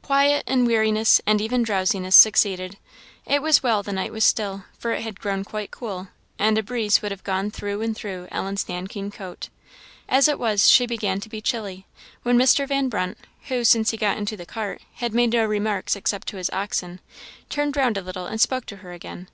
Quiet, and weariness, and even drowsiness, succeeded. It was well the night was still, for it had grown quite cool, and a breeze would have gone through and through Ellen's nankeen coat. As it was, she began to be chilly, when Mr. Van Brunt, who, since he got into the cart, had made no remarks except to his oxen, turned round a little and spoke to her again.